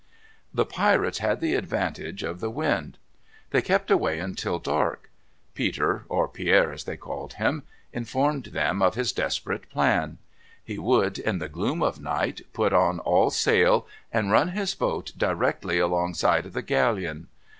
The pirates had the advantage of the wind. They kept away until dark. Peter, or Pierre as they called him, informed them of his desperate plan. He would, in the gloom of night, put on all sail, and run his boat directly alongside of the galleon.